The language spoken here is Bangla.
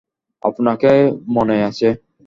আপনাকে মনে আছে।